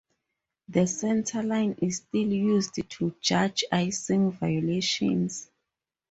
The centre line is still used to judge icing violations.